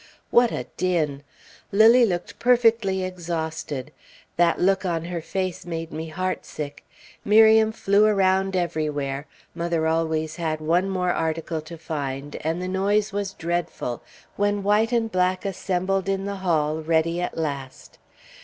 What a din! Lilly looked perfectly exhausted; that look on her face made me heartsick. Miriam flew around everywhere; mother always had one more article to find, and the noise was dreadful, when white and black assembled in the hall ready at last.